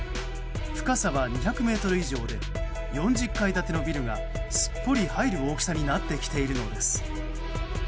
深さは２００ｍ以上で４０階建てのビルがすっぽり入る大きさになってきているのです。